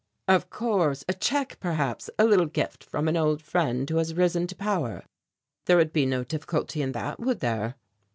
"Of course; a check, perhaps; a little gift from an old friend who has risen to power; there would be no difficulty in that, would there?"